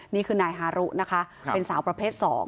นี่คือนายฮารุนะคะเป็นสาวประเภท๒